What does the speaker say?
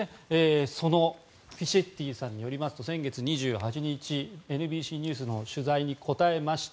そのフィシェッティさんによりますと先月２８日、ＮＢＣニュースの取材に答えました。